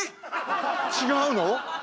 違うの⁉